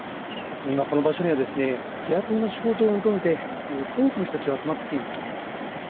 今、この場所には日雇いの仕事を求めて多くの人たちが集まってきています。